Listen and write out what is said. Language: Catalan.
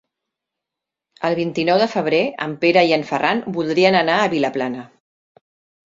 El vint-i-nou de febrer en Pere i en Ferran voldrien anar a Vilaplana.